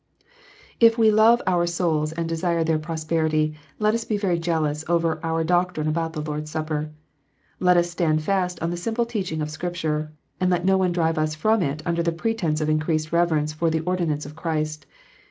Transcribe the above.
If we love our souls and desire their prosperity, let us be very jealous over our doctrine about the Lord s Supper. Let us stand fast on the simple teaching of Scripture, and let no one drive us from it under the pretence of increased reverence for the ordinance of Christ.